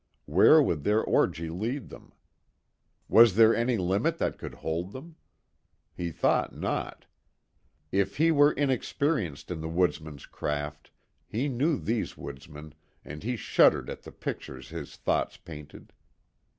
Where would their orgy lead them? Was there any limit that could hold them? He thought not. If he were inexperienced in the woodsman's craft, he knew these woodsmen, and he shuddered at the pictures his thoughts painted.